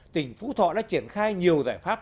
tỉnh phú thọ đã triển khai nhiều giải pháp